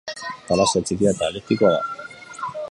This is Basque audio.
Galaxia txikia eta eliptikoa da.